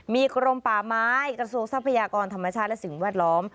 มีกรมป่าไม้กระทรวงทรัพยากรธรรมชาติและสิ่งแวดล้อม